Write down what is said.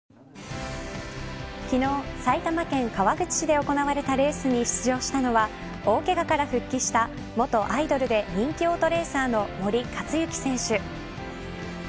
昨日、埼玉県川口市で行われたレースに出場したのは大けがから復帰した元アイドルで人気オートレーサーの森且行選手。